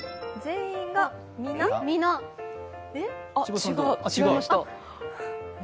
あ、違いました。